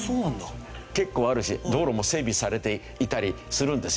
結構あるし道路も整備されていたりするんですよ。